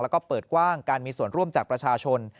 แล้วก็เปิดกว้างการมีส่วนร่วมจากประชาชน